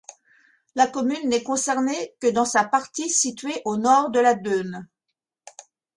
La commune n'est concernée que dans sa partie située au Nord de la Dheune.